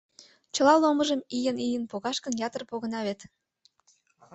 Чыла ломыжым ийын-ийын погаш гын, ятыр погына вет.